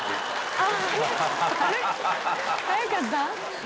早かった？